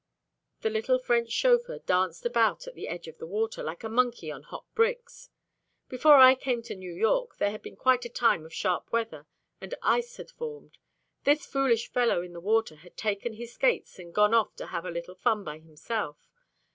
The little French chauffeur danced about at the edge of the water, like a monkey on hot bricks. Before I came to New York, there had been quite a time of sharp weather, and ice had formed. This foolish fellow in the water had taken his skates and gone off to have a little fun by himself.